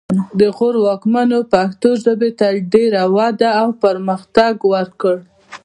د غور واکمنو پښتو ژبې ته ډېره وده او پرمختګ ورکړ